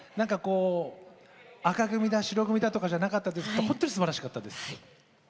紅組だ白組だじゃなかったけど本当にすばらしかったです。